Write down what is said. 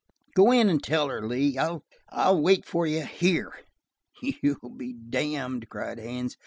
Go in and tell her, Lee. I I'll wait for you here." "You'll be damned," cried Haines.